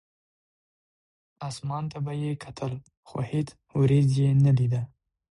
اسمان ته به یې کتل، خو هېڅ ورېځ یې نه لیده.